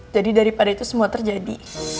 daripada itu semua terjadi